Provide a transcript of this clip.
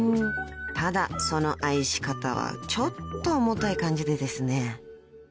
［ただその愛し方はちょっと重たい感じでですね］